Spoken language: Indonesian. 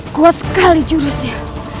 kuat sekali jurusnya